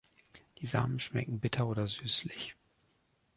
Die Samen schmecken bitter oder süßlich.